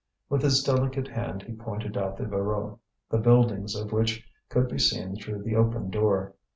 With his delicate hand he pointed out the Voreux, the buildings of which could be seen through the open door.